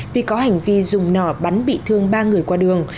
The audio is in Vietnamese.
vì có hành vi dùng nỏ bắn bị thương ba người qua đường